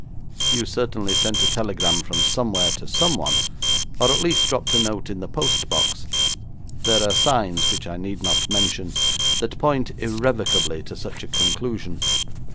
'You certainly sent a telegram from somewhere, to someone, or at least dropped a note in the post box. There are signs, which I need not mention, that point irrevocably to such a conclusion.'